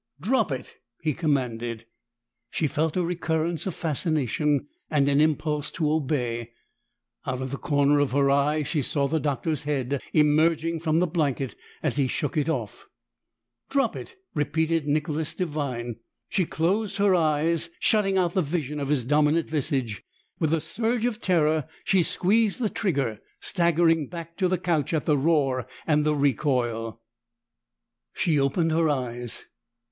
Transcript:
"Drop it!" he commanded. She felt a recurrence of fascination, and an impulse to obey. Out of the corner of her eye, she saw the Doctor's head emerging from the blanket as he shook it off. "Drop it!" repeated Nicholas Devine. She closed her eyes, shutting out the vision of his dominant visage. With a surge of terror, she squeezed the trigger, staggering back to the couch at the roar and the recoil. She opened her eyes.